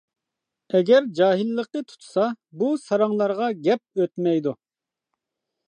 ئەگەر جاھىللىقى تۇتسا بۇ ساراڭلارغا گەپ ئۆتمەيدۇ.